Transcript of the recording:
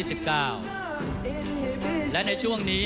ท่านแรกครับจันทรุ่ม